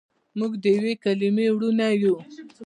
موږ دیوې کلیمې وړونه یو.